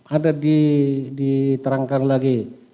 ada diterangkan lagi